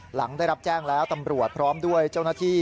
หลังได้รับแจ้งแล้วตำรวจพร้อมด้วยเจ้าหน้าที่